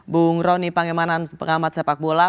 bung roni pangemanan pengamat sepak bola